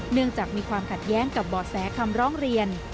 เนื่องจากมีความขัดแย้งกับบ่อแสคำร้องเรียน